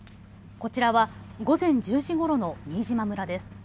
こちらは午前１０時ごろの新島村です。